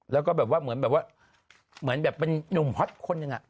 แล้วก็เหมือนเป็นหนุ่มฮอตคนอย่างนี้